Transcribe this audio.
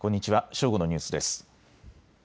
正午のニュースです。